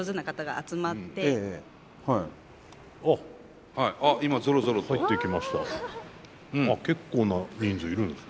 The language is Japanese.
あっ結構な人数いるんですね。